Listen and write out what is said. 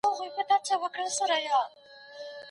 څلورم ډول ته نظري پوښتنې وايي.